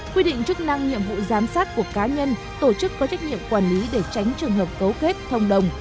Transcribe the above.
quy định chức năng nhiệm vụ giám sát của cá nhân tổ chức có trách nhiệm quản lý để tránh trường hợp cấu kết thông đồng